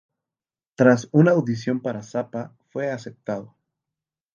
Tras una audición para Zappa fue aceptado.